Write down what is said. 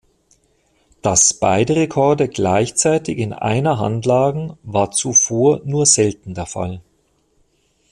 Dass beide Rekorde gleichzeitig in einer Hand lagen, war zuvor nur selten der Fall.